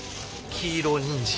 黄色にんじん？